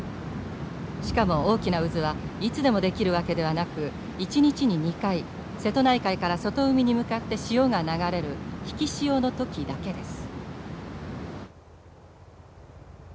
しかも大きな渦はいつでも出来るわけではなく一日に２回瀬戸内海から外海に向かって潮が流れる引き潮の時だけです。